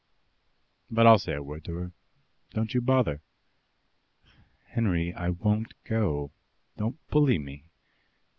"But I'll say a word to her. Don't you bother." "Henry, I won't go. Don't bully me."